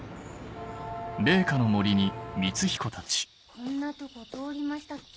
こんなとこ通りましたっけ？